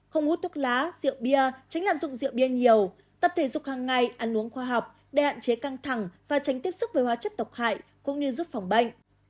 không hút thuốc lá rượu bia tránh lạm dụng rượu bia nhiều tập thể dục hàng ngày ăn uống khoa học để hạn chế căng thẳng và tránh tiếp xúc với hóa chất độc hại cũng như giúp phòng bệnh